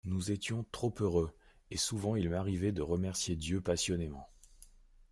Nous étions trop heureux, et souvent il m'arrivait de remercier Dieu passionnément.